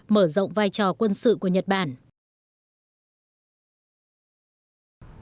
mở rộng vai trò và tạo cơ hội cho ông abe